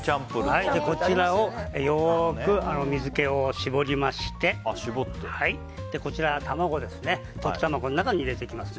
こちらをよく水気を絞りまして溶き卵の中に入れていきます。